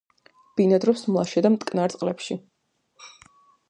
ბინადრობს მლაშე და მტკნარ წყლებში.